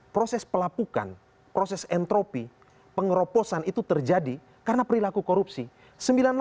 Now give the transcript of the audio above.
proses pelapukan proses entropi pengeroposan itu terjadi karena perilaku korupsi